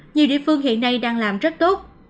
nhiều địa phương hiện nay đang làm rất tốt